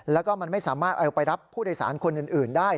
แล้วก็มันไม่สามารถเอาไปรับผู้โดยสารคนอื่นได้